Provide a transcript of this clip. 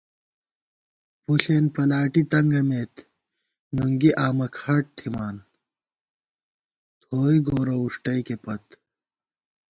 پݪېن پلاٹی تنگَمېت نُنگی آمہ کھاٹ تھِمان، تھوئی گورہ وُݭٹَئیکےپت